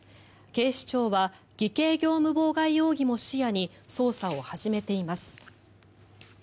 警視庁は偽計業務妨害容疑も視野に捜査を始めています。